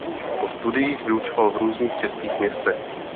Po studiích vyučoval v různých českých městech.